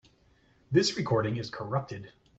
This recording is corrupted.